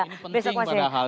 ini penting padahal